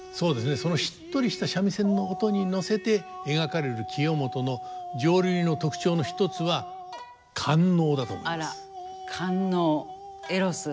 そのしっとりした三味線の音に乗せて描かれる清元の浄瑠璃の特徴の一つはあら。